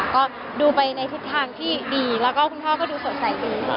ก็ดูไปในทิศทางที่ดีแล้วก็คุณพ่อก็ดูสดใสดู